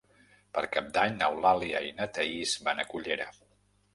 Per Cap d'Any n'Eulàlia i na Thaís van a Cullera.